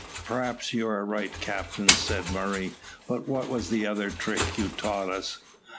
"Perhaps you are right, captain," said Murray; "but what was the other trick you taught us?"